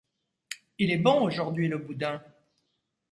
Il est bon, aujourd’hui, le boudin.